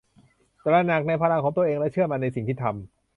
ตระหนักในพลังของตัวเองและเชื่อมั่นในสิ่งที่ทำ